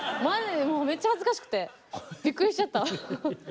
マジでもうめっちゃ恥ずかしくてびっくりしちゃった。